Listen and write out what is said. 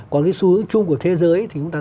còn cái xu hướng chung của thế giới thì chúng ta